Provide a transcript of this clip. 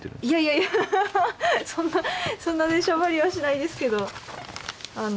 いやいやいやそんなそんな出しゃばりはしないですけど